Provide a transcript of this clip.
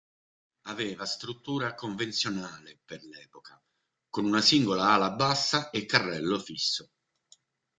Aveva struttura convenzionale, per l'epoca, con una singola ala bassa e carrello fisso.